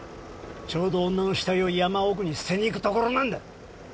ちょうど女の死体を山奥に捨てに行くところなんだ！